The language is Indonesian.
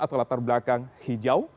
atau latar belakang hijau